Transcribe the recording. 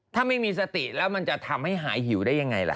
ถ้าไม่มีสติแล้วมันจะทำให้หายหิวได้ยังไงล่ะ